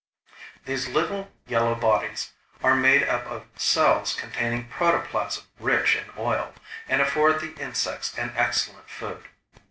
These little yellow bodies are made up of cells containing protoplasm rich in oil, and afford the insects an excellent food.